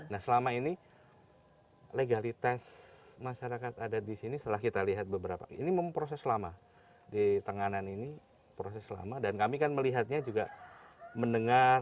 nah selama ini legalitas masyarakat ada di sini setelah kita lihat beberapa ini memproses lama di tenganan ini proses lama dan kami kan melihatnya juga mendengar